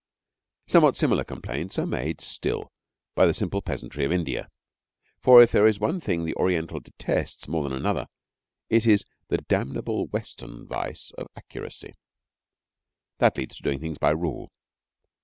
Somewhat similar complaints are made still by the simple peasantry of India, for if there is one thing that the Oriental detests more than another, it is the damnable Western vice of accuracy. That leads to doing things by rule.